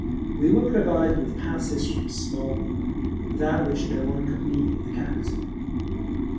We were provided with passes from Smolny, without which no one could leave the capital….